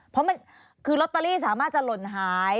เพราะมันคือลอตเตอรี่สามารถจะหล่นหาย